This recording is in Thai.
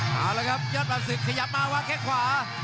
เอาแล้วครับยอดปรับศึกขยับมาวางแค่ขวา